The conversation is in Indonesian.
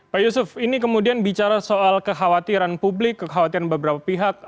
pak yusuf ini kemudian bicara soal kekhawatiran publik kekhawatiran beberapa pihak